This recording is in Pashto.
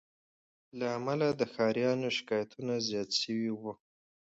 له امله د ښاریانو شکایتونه زیات سوي وه